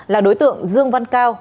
là đối tượng dương văn cao